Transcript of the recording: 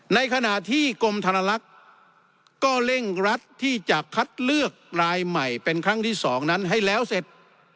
ในขณะที่กรมธนลักษณ์ก็เร่งรัดที่จะคัดเลือกรายใหม่เป็นครั้งที่๒นั้นให้แล้วเสร็จ